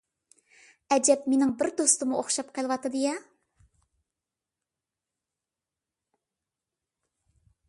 ئەجەب مېنىڭ بىر دوستۇمغا ئوخشاپ قېلىۋاتىدۇ يا.